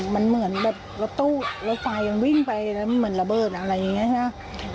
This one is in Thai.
มันเหมือนแบบรถตู้รถไฟยังวิ่งไปแล้วเหมือนระเบิดอะไรอย่างนี้ใช่ไหม